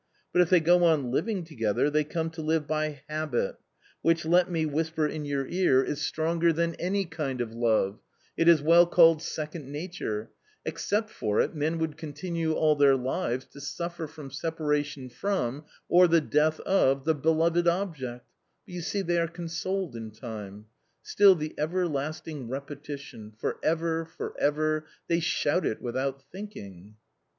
But if they go on living together they come to live by habit, which let me whisper in your ear is 80 A COMMON STORY stronger than any kind of love; it is well called second nature ; except for it men would continue all their lives to suffer from separation from or the death of the beloved object, but you see they are consoled in time. Still the everlasting repetition — For ever, for ever! — they shout it without thinking."